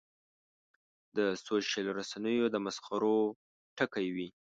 د سوشل رسنیو د مسخرو ټکی وي.